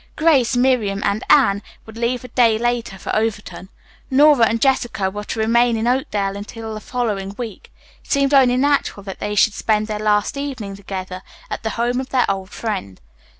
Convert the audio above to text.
Grace, Miriam and Anne would leave a day later for Overton. Nora and Jessica were to remain in Oakdale until the following week. It seemed only natural that they should spend their last evening together at the home of their old friend.